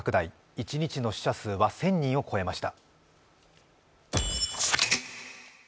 一日の死者数は１０００人を超えました。